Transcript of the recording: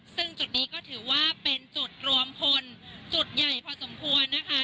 ซึ่งจุดนี้ก็ถือว่าเป็นจุดรวมพลจุดใหญ่พอสมควรนะคะ